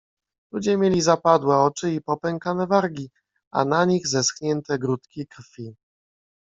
Ludzie mieli zapadłe oczy i popękane wargi, a na nich zeschnięte grudki krwi.